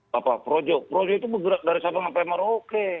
bapak projo projo itu bergerak dari sabang sampai merauke